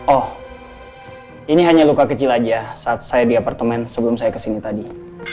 oh ini hanya luka kecil aja saat saya di apartemen sebelum saya kesini tadi